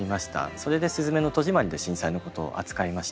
それで「すずめの戸締まり」で震災のことをあつかいました。